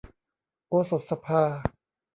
โอสถสภา